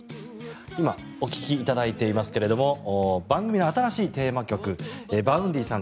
今お聴きいただいていますけれど番組の新しいテーマ曲Ｖａｕｎｄｙさん